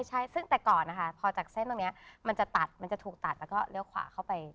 ใช่ซึ่งแต่ก่อนนะคะพอจากเส้นตรงนี้มันจะตัดมันจะถูกตัดแล้วก็เลี้ยวขวาเข้าไป